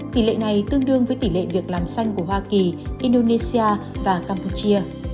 tỷ lệ này tương đương với tỷ lệ việc làm xanh của hoa kỳ indonesia và campuchia